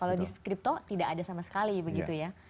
kalau di kripto tidak ada sama sekali begitu ya